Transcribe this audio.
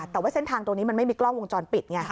แต่ว่าเส้นทางตรงนี้มันไม่มีกล้องวงจรปิดไงค่ะ